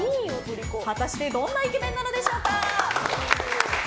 果たしてどんなイケメンなのでしょうか。